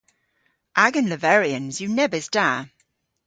Agan leveryans yw nebes da.